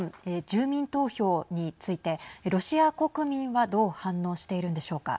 住民投票についてロシア国民はどう反応しているんでしょうか。